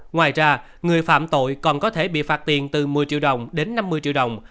ngoài ra người phạm tội còn có thể bị phạt tiền từ một mươi triệu đồng đến năm mươi triệu đồng